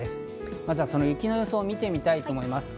まずはその雪の予想を見てみたいと思います。